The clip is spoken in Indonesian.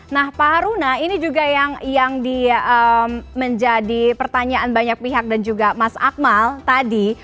nah pak haruna ini juga yang menjadi pertanyaan banyak pihak dan juga mas akmal tadi